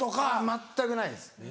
全くないです。